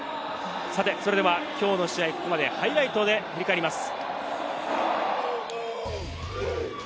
さて、それではきょうの試合、ここまでハイライトで振り返ります。